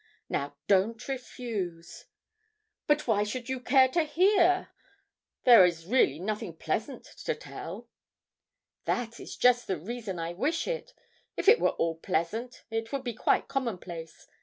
Now don't refuse.' 'But why should you care to hear? There is really nothing pleasant to tell.' 'That is just the reason I wish it. If it were at all pleasant, it would be quite commonplace.